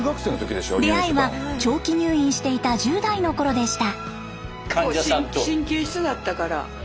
出会いは長期入院していた１０代のころでした。